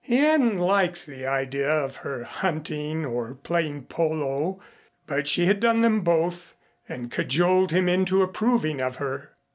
He hadn't liked the idea of her hunting or playing polo, but she had done them both and cajoled him into approving of her.